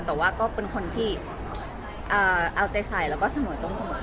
แต่ว่าก็เป็นคนที่เอาใจใส่แล้วก็เสมอต้นเสมอ